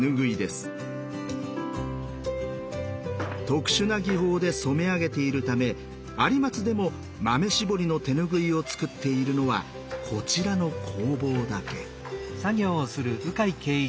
特殊な技法で染め上げているため有松でも「豆絞り」の手ぬぐいを作っているのはこちらの工房だけ。